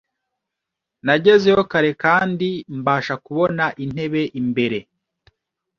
Nagezeyo kare kandi mbasha kubona intebe imbere.